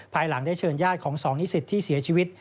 ภายหลังได้เชิญญาติของ๒นิสิตที่เสียชีวิต